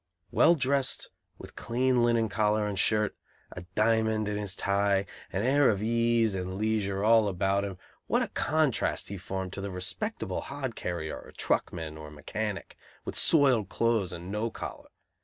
Well dressed, with clean linen collar and shirt, a diamond in his tie, an air of ease and leisure all about him, what a contrast he formed to the respectable hod carrier or truckman or mechanic, with soiled clothes and no collar!